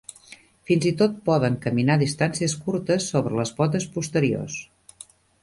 Fins i tot poden caminar distàncies curtes sobre les potes posteriors.